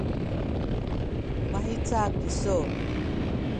mahica kisu?